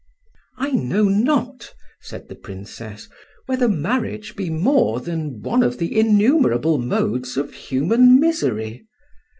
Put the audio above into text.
"I know not," said the Princess, "whether marriage be more than one of the innumerable modes of human misery.